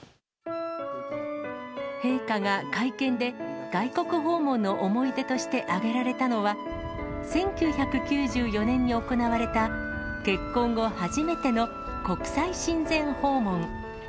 陛下が会見で外国訪問の思い出として挙げられたのは、１９９４年に行われた、結婚後初めての国際親善訪問。